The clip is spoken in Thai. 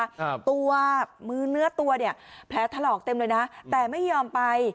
ครับตัวมือเนื้อตัวเนี้ยแผลถลอกเต็มเลยนะแต่ไม่ยอมไป